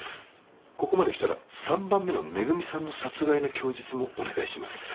ここまで来たら３番目のめぐみさんの殺害の供述もお願いします。